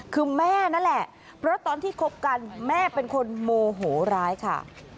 คือแม่นั่นแหละเพราะตอนที่คบกันแม่เป็นคนโมโหร้ายค่ะ